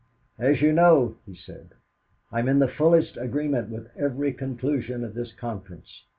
"'As you know,' he said, 'I am in the fullest agreement with every conclusion of this conference.